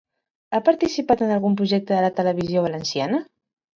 Ha participat en algun projecte de la televisió valenciana?